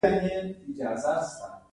په پایله کې د اوسپنې مهم وخت راورسید.